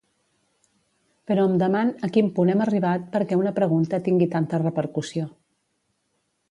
Però em deman a quin punt hem arribat perquè una pregunta tingui tanta repercussió.